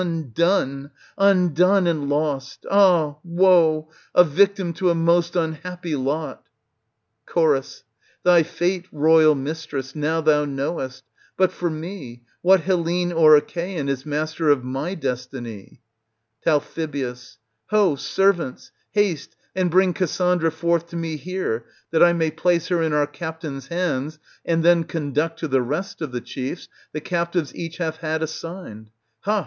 Undone ! undone and lost ! ah woe ! a victim to a most unhappy lot ! Cho. Thy fate, royal mistress, now thou knowest; but for me, what Hellene or Achaean is master of my destiny ? Tal. Ho, servants ! haste and bring Cassandra forth to me here, that I may place her in our captain's hands, and then conduct to the rest of the chiefs the captives each hath had assigned. Ha